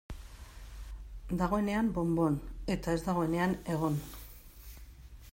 Dagoenean bon-bon, eta ez dagoenean egon.